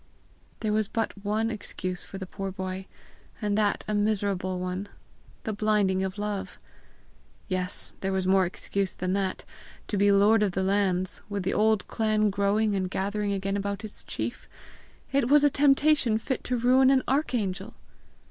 There was but one excuse for the poor boy and that a miserable one: the blinding of love! Yes there was more excuse than that: to be lord of the old lands, with the old clan growing and gathering again about its chief! It was a temptation fit to ruin an archangel!